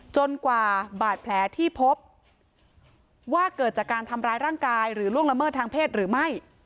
กว่าบาดแผลที่พบว่าเกิดจากการทำร้ายร่างกายหรือล่วงละเมิดทางเพศหรือไม่